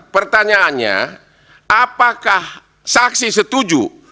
pertanyaannya apakah saksi setuju